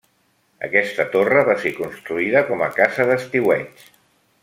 Aquesta torre va ser construïda com a casa d'estiueig.